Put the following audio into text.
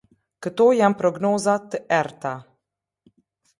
Këto janë prognoza të errëta.